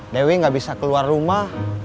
dewi gak bisa keluar rumah